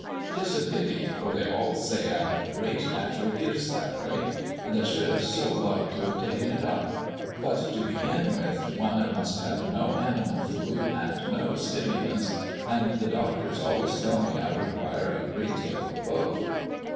It is a pity, for they all say I have great natural gifts that way, and I should have so loved to have taken it up; but to begin with, one must have no animal food and no stimulants, and the doctors always tell me I require a great deal of both."